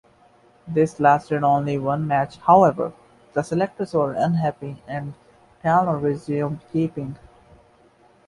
This lasted only one match, however; the selectors were unhappy and Tallon resumed keeping.